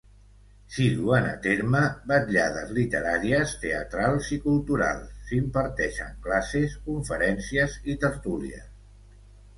S'hi duen a terme: vetllades literàries, teatrals i culturals, s'imparteixen classes, conferències i tertúlies.